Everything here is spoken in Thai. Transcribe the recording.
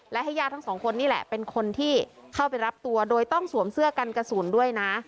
และให้ญาติทั้งสองคนนี่แหละเป็นคนที่เข้าไปรับตัวโดยต้องสวมเสื้อกันกระสุนด้วยนะ